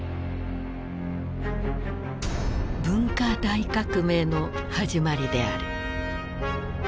文化大革命の始まりである。